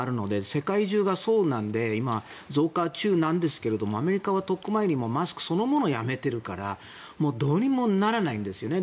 世界中がそうなので今、増加中なんですけどアメリカはとっくの前にマスクそのものをやめているからもうどうにもならないんですよね。